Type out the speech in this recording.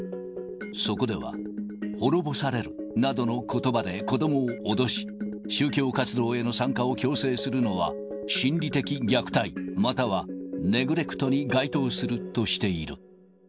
そこでは、滅ぼされるなどのことばで子どもを脅し、宗教活動への参加を強制するのは、心理的虐待、またはネグレクトに該当するとしている。